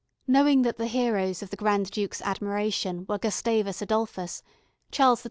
Knowing that the heroes of the Grand Duke's admiration were Gustavus Adolphus, Charles XII.